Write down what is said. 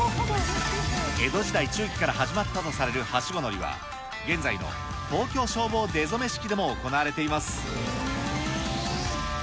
江戸時代中期から始まったとされるはしご乗りは、現在の東京消防出初め式でも行われています。